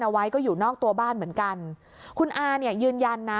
เอาไว้ก็อยู่นอกตัวบ้านเหมือนกันคุณอาเนี่ยยืนยันนะ